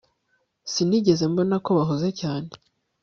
Sinigeze mbona ko bahuze cyane